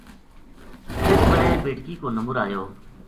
جس بلے بیٹکی کو نمبر آیو۔